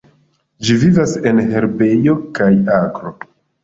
Ĝi vivas en herbejo kaj agro.